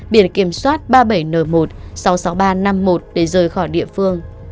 biển kiểm soát ba mươi bảy n một sáu mươi sáu nghìn ba trăm năm mươi một để rời khỏi địa phương